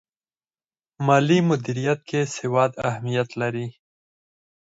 مالي مدیریت کې سواد اهمیت لري.